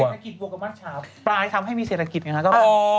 เศรษฐกิจบวกกับมัชชาปลายทำให้มีเศรษฐกิจไงคะ